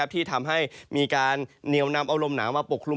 ที่ทำให้มีการเหนียวนำเอาลมหนาวมาปกคลุม